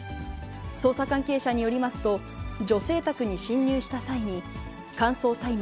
捜査関係者によりますと、女性宅に侵入した際に、乾燥大麻